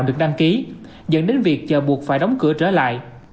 được đăng ký dẫn đến việc chờ buộc phải đóng cửa trở lại